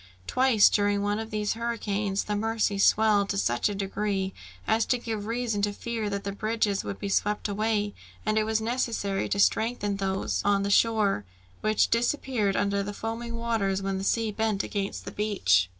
Twice, during one of these hurricanes, the Mercy swelled to such a degree as to give reason to fear that the bridges would be swept away, and it was necessary to strengthen those on the shore, which disappeared under the foaming waters, when the sea beat against the beach.